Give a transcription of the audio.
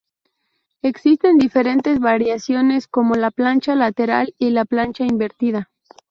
Existen diferentes variaciones, como la plancha lateral y la plancha invertida.